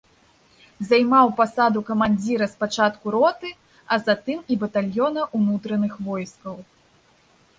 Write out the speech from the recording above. Займаў пасаду камандзіра спачатку роты, а затым і батальёна ўнутраных войскаў.